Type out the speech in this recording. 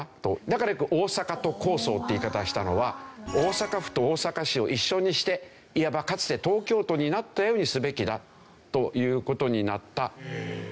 だからよく大阪都構想って言い方したのは大阪府と大阪市を一緒にしていわばかつて東京都になったようにすべきだという事になった。